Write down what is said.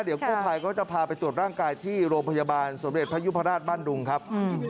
เดี๋ยวกู้ภัยก็จะพาไปตรวจร่างกายที่โรงพยาบาลสมเด็จพระยุพราชบ้านดุงครับ